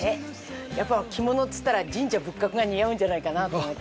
やっぱり着物っつったら神社仏閣が似合うんじゃないかなと思って。